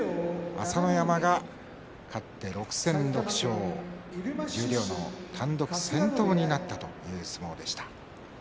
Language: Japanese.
朝乃山、勝って６戦６勝十両の単独先頭になったという相撲でした。